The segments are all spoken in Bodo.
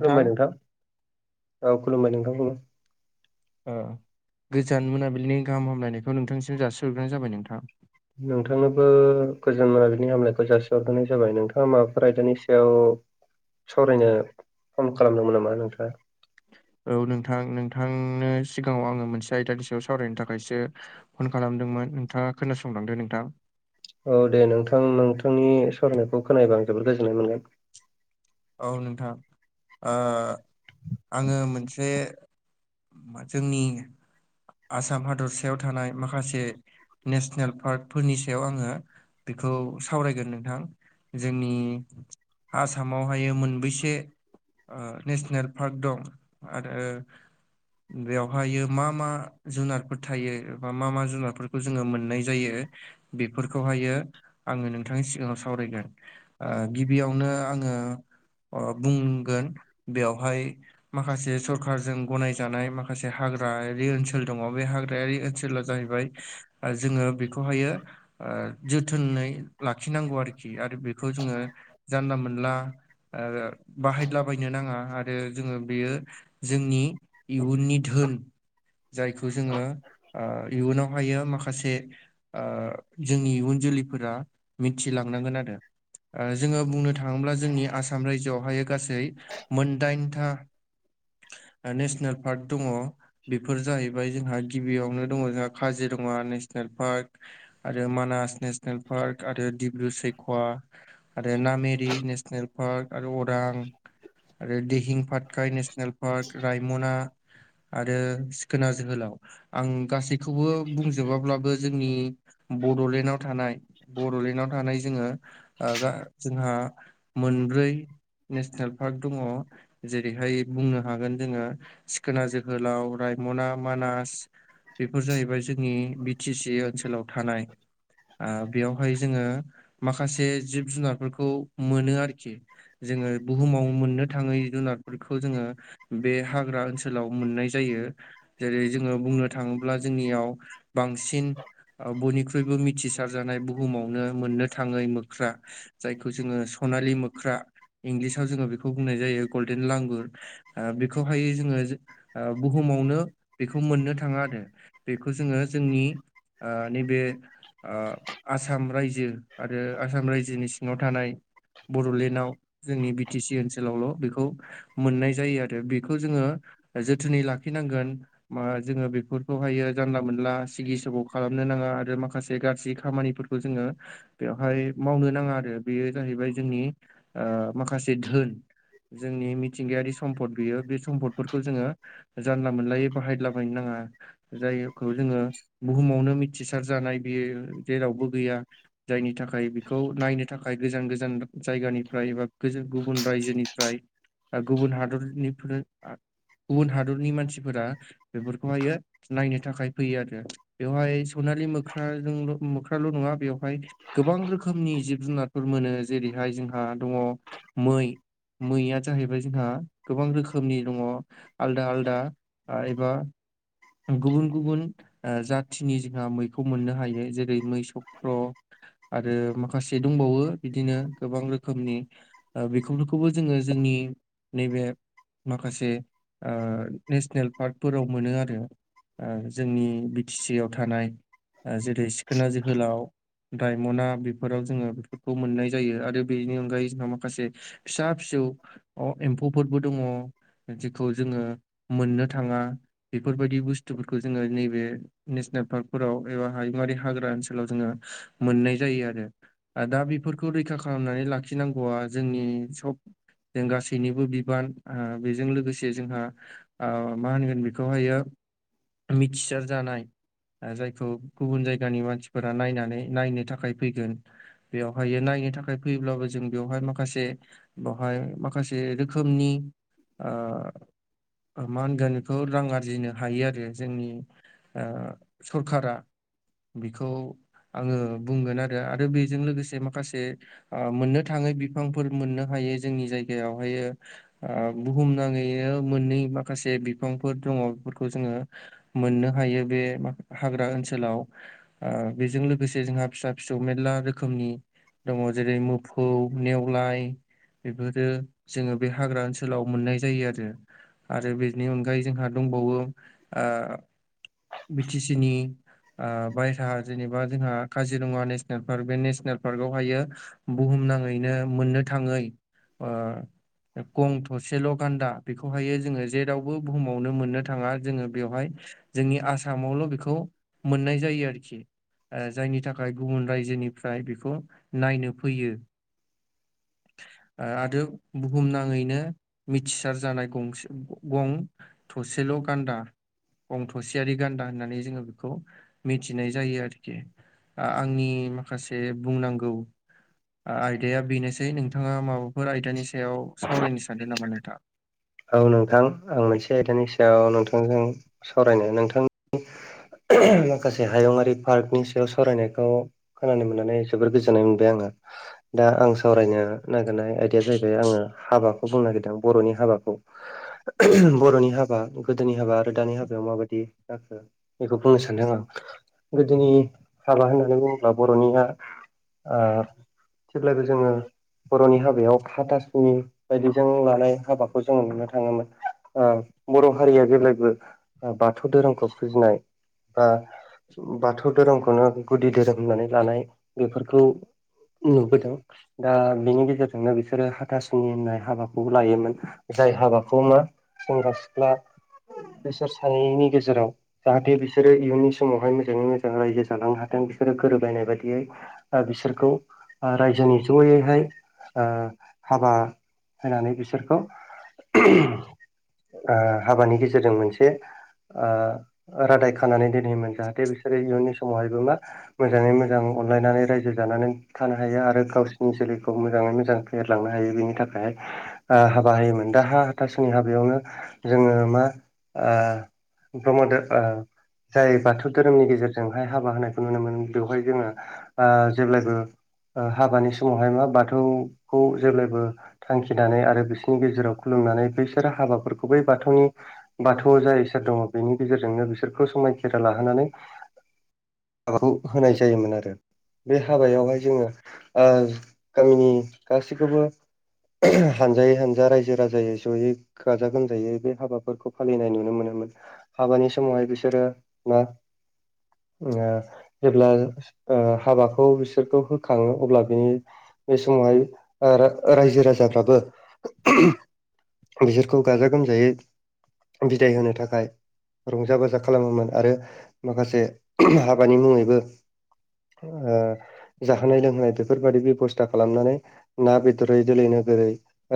खुलुमबाय नोंथां औ खुलुमबाय नोंथांखौबो। ओ गोजान मोनाबिलिनि गाहाम हामलायनायखौ नोंथांसिम जासिहरग्रोनाय जाबाय नोंथां। नोंथांनोबो गोजोन मोनाबिनि हामलायखौ जासिहरग्रोनाय जाबाय नोंथाङा माबाफोर आयदानि सायाव सावरायनो फन खालामदोंमोन नामा नोंथाङा? औ नोंथां नोंथांनो सिगाङाव आङो मोनसे आयदानि सायाव सावरायनो थाखायसो फन खालामदोंमोन नोंथाङा खोनासंलांदो नोंथां औ दे नोंथां नोंथांनि सररायनायखौ खोनाबा आं जोबोद गोजोननाय मोनगोन औ नोंथां आङो मोनसे जोंनि आसाम हादरसायाव थानाय माखासे नेसनेल पार्कफोरनि सायाव आङो बेखौ सावरायगोन नोंथां जोंनि आसाम आसामावहाय मोनबैसे नेसनेल पार्क दं आरो बेवहायो मा मा जुनारफोर थायो बा मा मा जुनारफोरखौ जोङो मोननाय जायो बेफोरखौहायो आङो नोंथांनि सिगाङाव सावरायगोन गिबियावनो आङो बुंगोन बेयावहाय माखासे सरखारजों गनायजानाय माखासे हाग्रायारि ओनसोल दङ बे हाग्रायारि ओनसला जाहैबाय जोङो बेखौहायो जोथोनै लाखिनांगौ आरोखि आरो बेखौ जोङो जानला मोनला बाहायलाबायनो नाङा आरो जोङो बेयो जोंनि इयुननि धोन जायखौ जोङो इयुनावहायो माखासे जोंनि इयुन जोलैफोरा मिथिलांनांगोन आरो जोङो बुंनो थाङोब्ला जोंनि आसाम रायजोआवहाय गासै मोनदाइनथा नेसनेल पार्क दङ बेफोर जाहैबाय जोंहा गिबियावनो दङ जोंहा काजिरङा नेसनेल पार्क आरो मानास नेसनेल पार्क आरो डिब्रु सैखवा आरो नामेरि नेसनेल पार्क आरो अरां आरो दिहिं पाटकाय नेसनेल पार्क रायमना आरो सिखोना जोहोलाव आं गासैखौबो बुंजोबाब्लाबो जोंनि बड'लेण्डआव थानाय बड'लेण्डआव थानाय जोङो जोंहा मोनब्रै नेसनेल पार्क दङ जेरैहाय बुंनो हागोन जोङो सिखोना जोहोलाव रायमना मानास बेफोर जाहैबाय जोंनि बि टि सि ओनसोलाव थानाय बेयावहाय जोङो माखासे जिब जुनारफोरखौ मोनो आरो आरोखि जोङो बुहुमाव मोननो थाङै जुनारफोरखौ जोङो बे हाग्रा ओनसोलाव मोननाय जायो जेरै जोङो बुंनो थाङोब्ला जोंनियाव बांसिन बयनिख्रुइबो मिथिसारजानाय बुहुमावनो मोननो थाङै मोख्रा जायखौ जोङो सनालि मोख्रा इं्लिसाव जोङो बेखौ बुंनाय जायो गल्डेन लांगुर बेखौहाय जोङो बुहुमावनो बेखौ मोननो थाङा आरो बेखौ जोङो जोंनि नैबे आसाम रायजो आरो आसाम रायजोनि सिङाव थानाय बड'लेण्डआव जोंनि बिटि सि ओनसोलावल' बेखौ मोननाय जायो आरो बेखौ जोङो जोथोनै लाखिनांगोन म जोङो बेफोरखौहायो जानला मोनला सिगिसाव खालामनो नाङा आरो माखासे गाज्रि खामानिफोरखौ जोङो बेवहाय मावनो नाङा आरो बेयो जाहैबाय जोंनि माखासे धोन जोंनि मिथिंगायारि सम्पद बियो बे सम्फदफोरखौ जोङो जानला मोनलायै बाहायलाबायनो नाङा जायखौ जोङो बुहुमावनो मिथिसार जानाय बेयो जेरावबो गैया जायनि थाखाय बेखौ नायनो थाखाय गोजान गोजान जायगानिफ्राय एा गुबुन रायजोनिफ्राय गुबुन हादरनिफ्राय गुबुन हादरनि मानसिफोरा बेफोरखौहायो नायनो थाखाय फैयो आरो बेवहाय सनालि मोख्राजोंल' मोख्राल' नङा बेवहाय गोबां रोखोमनि जिब जुनारफोर मोनो जेरैहाय जोंहा दङ मै मैया जाहैबाय जोंहा गोबां रोखोमनि दङ आलदा आलदा एबा गुबुन गुबुन जाथिनि जोंहा मैखौ मोननो हायो जेरै मै सक्र' आरो माखासे दंबावो बिदिनो गोबां रोखोमनि बेखौफोरखौबो जोङो जोंनि नैबे माखासे ओ नेसनेल पार्कफोराव मोनो आरो आ जोंनि बि टि सि आव थानाय जेरै सिखोना जोहोलाव रायम'ना बेफोराव जोङो बेफोरखौ मोननाय जायो आरो बेनि अनगायै जोंहा माखासे फिसा फिसौ अ एम्फौफोरबो दङ जेखौ जोङो मोननो थाङा बेफोरबायदि बुस्थुफोरखौ जोङो नैबे नेसनेल पार्कफोराव एबा हायुङारि हाग्रा ओनसोलाव जोङो मोननाय जायो आरो दा बेफोरखौ रैखा खालामनानै लाखिनांगौवा जोंनि सब जों गासैनिबो बिबान बेजों लोगोसे जोंहा आ मा होनगोन बेखौहायो मिथिसार जानाय जायखौ गुबुन जायगानि मानसिफोरा नायनानै नायनो थाखाय फैगोन बेवहायो नायनो थाखाय फैयोब्लाबो जों बेवहाय माखासे बेवहाय माखासे रोखोमनि आ मा होनगोन बेखौ रां आरजिनो हायो आरो जोंनि सरखारा बेखौ आङो बुंगोन आरो आरो बेजों लोगोसे माखासे मोननो थाङै बिफांफोर मोननो हायो जोंनि जायगायावहायो आ बुहुम नाङैयो मोनै माखासे बिफांफोर दङ बेफोरखौ जोङो मोननो हायो बे हाग्रा ओनसोलाव आ बेजों लोगोसे जोंहा फिसा फिसौ मेरला रोखोमनि दङ जेरै मोफौ नेवलाय बेफोरो जोङो बे हाग्रा ओनसोलाव मोननाय जायो आरो आरो बेनि अनगायै जोंहा दंबावो आ बि टि सि नि आ बायहेरा जेनेबा जोंहा काजिरङा नेसनेल पार्क बे नेसनेल पार्कावहायो बुहुमनाङैनो मोननो थाङै आ गं थसेल' गान्दा बेखौहायो जोङो जेरावबो बुहुमावनो मोननो था ङा जोङो बेवहाय जोंनि आसामावल' बेखौ मोननाय जायो आरोखि ओ जायनि थाखाय गुबुन रायजोनिफ्राय बेखौ नायनो फैयो। आरो बुहुमनाङैनो मिथिसार जानाय गंसे गं थसेल' गान्दा गं थ'सेयारि गान्दा होननानै जोङो बेखौ मिथिनाय जायो आरोखि। आंनि माखासे बुंनांगौ आयदाया बेनोसै नोंथाङा माबाफोर आयदानि सायाव सावरायनो सानदों नामा नोंथा। औ नोंथां आं मोनसे आयदानि सायाव नोंथांजों सावरायनो नोंथांनि माखासे हायुङारि पार्कनि सायाव सावरायनायखौ खोनानो मोननानै जोबोर गोजोननाय मोनबाय आङो दा आं सावरायनो नागिरनाय आयदाया जाहैबाय आङो हाबाखौ बुंनो नागिरदों बर'नि हाबाखौ बर'नि हाबा गोदोनि हाबा आरो दानि हाबायाव माबायदि जाखो बेखौ बुंनो सानदों आं गोदोनि हाबा होननानै बुङोब्ला बर'निया आ जेब्लायबो जोङो बर'नि हाबायाव हाथासुनि बायदिजों लानाय हाबा जों नुनो थाङोमोन बर' हारिया जेब्लायबो बाथौ धोरोमखौ फुजिनाय बा बाथौ धोरोमखौनो गुदि धोरोम होननानै लानाय बेफोरखौ नुबोदों दा बेनि गेजेरजोंनो बिसोरो हाथासुनि होननाय हाबाखौ लायोमोन। जाय हाबाखौ मा सेंग्रा सिख्ला बेसोर सानैनि गेजेराव जाहाथे बिसोरो इयुननि समावहाय मोजाङै मोजां रायजो जालांनो हाथों बिसोरो गोरोबलायनाय बायदियै ओ बिसोरखौ ओ रायजोनि जयैहाय ओ हाबा होनानै बिसोरखौ ओ हाबानि गेजेरजों मोनसे ओ रादाय खानानै दोनहोमोन जाहाथे बिसोरो इयुननि समावहायबो मा मोजाङै मोजां अनलायनानै रायजो जानानै थानो हायो आरो गावसिनि जोलैखौ मोजाङै मोजां फेहेरलांनो हायो बेनि थाखाय ओ बाहायोमोन दा हा हाथासोनि हाबायावनो जोङो मा ओ प्रमाद ओ जाय बाथौ धोरोमनि गेजेरजोंहाय हाबा होनायखौ नुनो मोनो बेवहाय जोङो ओ जेब्लायबो ओ हाबानि समावहाय मा बाथौखौ जेब्लायबो थांखिनानै आरो बिसि नि गेजेराव खुलुमनानै बैसोर हाबाफोरखौ बै बाथौनि बाथौआव जाय इसोर दङ बेनि गेजेरजोंनो बिसोरखौ समायखेरा लाहोनानै हाबाखौ होनाय जायोमोन आरो बे हाबायावहाय जोङो ओ गामिनि गासैखौबो हानजायै हानजा रायजो राजायै जयै गाजा गोमजायै बे हाबाफोरखौ फालिनाय नुनो मोनोमोन। हाबानि समावहाय बिसोरो मा ओ जेब्ला हाबाखौ बिसोरखौ होखाङो अब्ला बि बे समावहाय ओ रायजो राजाफ्राबो बिसोरखौ गाजा गोमजायै बिदाय होनो थाखाय रंजा बाजा खालामोमोन आरो माखासे हाबानि मुङैबो ओ जाहोनाय लोंहोनाय बेफोरबायदि बेब'स्था खालामनानै ना बेदरै दोलोलै नोगोरै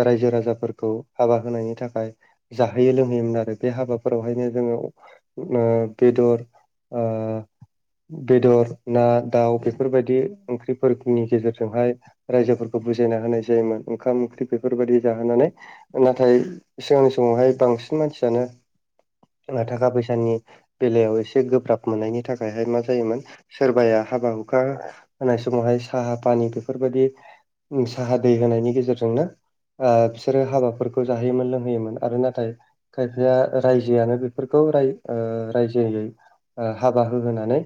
रायजो राजाफोरखौ हाबा होनायनि थाखाय जाहोयो लोंहोयोमोन आरो बे हाबाफोरावहायनो जोङो ओ बेदर ओ बेदर ना दाउ बेफोरबायदि ओंख्रि फोरनि गेजेरजोंहाय रायजोफोरखौ बुजायना होनाय जायोमोन ओंखाम ओंख्रि बेफोरबायादि जाहोनानै नाथाय सिगांनि समावहाय बांसिन मानसियानो थाखा फैसानि बेलायाव एसे गोब्राब मोननायनि थाखायहाय मा जायोमोन सोरबाया हाबा हुखा होनाय समावहाय साहा पानि बेफोरबायदि साहा दै होनायनि गेजेरजोंनो बिसोरो हाबाफोरखौ जाहोयोमोन लोंहोयोमोन आरो नाथाय खायफाया रायजोआनो बेफोरखौ रायजोयै हाबा होहोनानै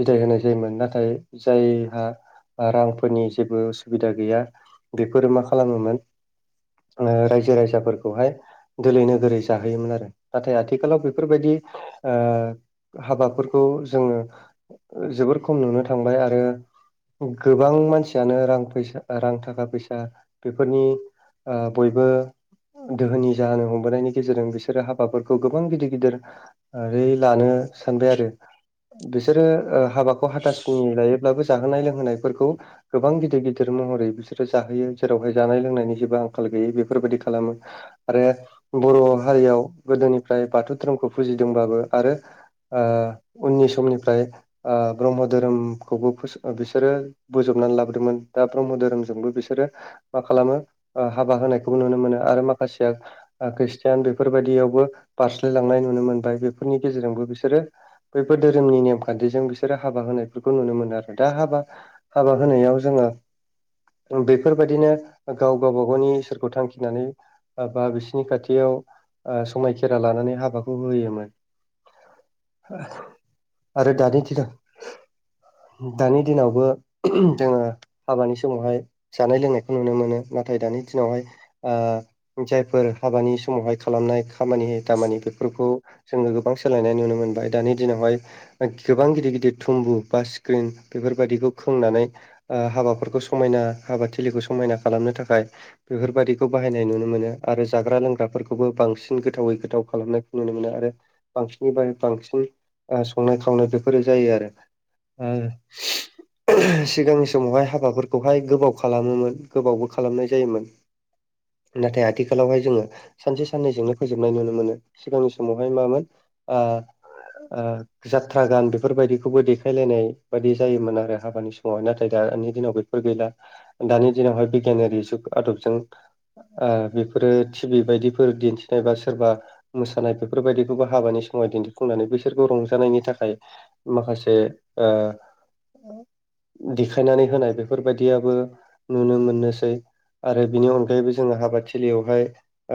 बिदाय होनाय जायोमोन नाथाय जायहा रांफोरनि जेबो उसुबिदा गैया बेफोरो मा खालामोमोन रायजो राजाफोरखौहाय दोलै नोगोरै जाहोयोमोन आरो नाथाय आथिखालाव बेफोरबायदि ओ हाबाफोरखौ जोङो जोबोर खम नुनो थांबाय आरो गोबां मानसियानो रां फैसा रां थाखा फैसा बेफोरनि ओ बयबो दोहोनि जाहोनो हमबोनायनि गेजेरजों बिसोरो हाबाफोरखौ गोबां गिदिर गिदिर ओै लानो सानबाय आरो बिसोरो हाबाखौ हाथासुनि लायोब्लाबो जाहोनाय लोंहोनायफोरखौ गोबां गिदिर गिदिर महरै बिसोरो जाहोयो जेरावहाय जानाय लोंनायनि जेबो आंखाल गैयि बेफोरबायदि खालामो। आरो बर' हारियाव गोदोनिफ्राय बाथौ धोरोमखौ फुजिदोंबाबो आरो ओ उननि समनिफ्राय ओ ब्रह्म धोरोमखौबो फोसाब बिसोरो बोजबनानै लाबोदोंमोन दा ब्रह्म धोरोमजोंबो बिसोरो मा खालामो ओ हाबा होनायखौबो नुनो मोनो आरो माखासेया खृष्टियान बेफोरबायदियावबो बारस्लायलांनाय नुनो मोनबाय बेफोरनि गेजेरजोंबो बिसोरो बैफोर धोरोमनि नेमखान्थिजों बिसोरो हाबा होनायफोरखौ नुनो मोनो आरो दा हाबा हाबा होनायाव जोङो बेफोरबायदिनो गाव गावबा गावनि ईसोरखौ थांखिनानै बा बिसोरनि खाथियाव आ समायखिरा लानानै हाबाखौ होयोमोन आरो दानि दिनाव दानि दिनावबो जोङो हाबानि समावहाय जानाय लोंनाय खौ नुनो मोनो नाथाय दानि दिनावहाय आ जायफोर हाबानि समावहाय खालामनाय खामानि दामानि बेफोरखौ जोङो गोबां सोलायनाय नुनो मोनबाय दानि दिनावहाय दा गोबां गिदिर गिदिर थुम्बु बा स्क्रिन बेफोरबायदिखौ खोंनानै आ हाबाफोरखौ समायना हाबा थिलिखौ समायना खालामनो थाखाय बेफोरबायदिखौ बाहायनाय नुनो मोनो आरो जाग्रा लोंग्राफोरखौबो बांसिन गोथावै गोथाव खालामनायखौ नुनो मोनो आरो बांसिननिफ्राय बांसिन संनाय खावनाय बेफोरो जायो आरो सिगांनि समावहाय हाबाफोरखौहाय गोबाव खालामोमोन गोबावबो खालामनाय जायोमोन नाथाय आथिखालावहाय जोङो सानसे साननैजोंनो फोजोबनाय नुनो मोनो सिगांनि समावहाय मामोन आ आ जाथ्रा गान बेफोरबायदिखौबो देखायलायनाय बायदि जायोमोन आरो हाबानि समावहाय नाथाय दानि दिनाव बे फोर गैला दानि दिनावहाय बिगियानारि जुग आदबजों आ बेफोरो टिभि बायदिफोर दिन्थिनाय बा सोरबा मोसानाय बेफोरबायदिखौबो हाबानि समाव दिन्थिफुंनानै बैसोरखौ रंजानायनि थाखाय माखासे ओ देखायनानै होनाय बेफोरबायदियाबो नुनो मोननोसै आरो बिनि अनगायैबो जोङो हाबाथिलियावहाय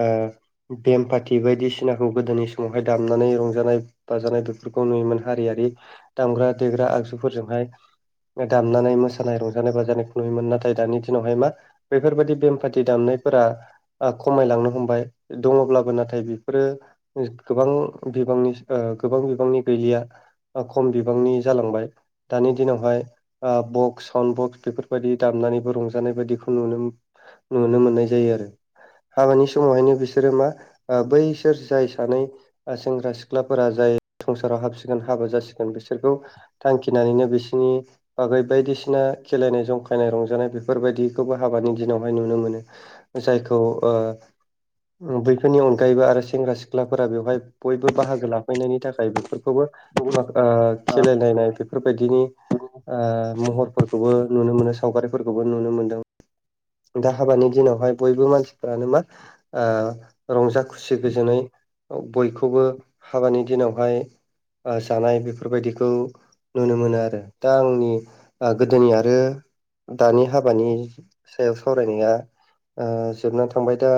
ओ बेमफाथि बायदिसिनाखौ गोदोनि समावहाय दामनानै रंजानाय बाजानाय बेफोरखौ नुयोमोन हारियारि दामग्रा देग्रा आगजुफोरजोंहाय दामनानै मोसानाय रंजानाय बाजानायखौ नुनोयोमोन नाथाय दानि दिनावहाय मा बेफोरबायदि बेमफाथि दामनायफोरा खमायलांनो हमबाय दंङब्लाबो नाथाय बेफोरो गोबां बिबांनि ओ गोबां बिबांनि गैलिया खम बिबांनि जालांबाय दानि दिनावहाय ओ जानाय बायदिखौ नुनो मोन नुनो मोननाय जायो आरो हाबानि समावहायनो बिसोरो मा ओ बैसोर जाय सानै सेंग्रा सिख्लाफोरा जाय संसाराव हाबसिगोन हाबा जासिगोन बिसोरखौ थांखिनानैनो बिसोरनि बागै बायदिसिना खेलायनाय जंखायनाय रंजानाय बेफोरबायदिखौबो हाबानि दिनावहाय नुनो मोनो जायखौ ओ बै फोरनि अनगायैबो आरो सेंग्रा सिख्लाफोरा बेवहाय बयबो बाहागो लाफैनायनि थाखाय बेफोरखौबो मा ओ खेलायलायनाय बेफोरबायदिनि औ ओ महरफोरखौबो नुनो मोनो सावगारिफोरखौबो नुनो मोनदों दा हाबानि दिनावहाय बयबो मानसिफोरानो मा ओ रंजा खुसि गोजोनै बयखौबो हाबानि दिनावहाय जानाय बेफोरबायदिखौ नुनो मोनो आरो दा आंनि गोदोनि आरो दानि हाबानि सायाव सावरायनाया ओ जोबना थांबाय दा